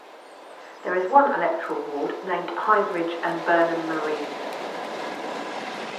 There is one electoral ward named 'Highbridge and Burnham Marine'.